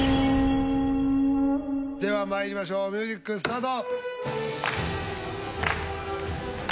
ではまいりましょうミュージックスタート。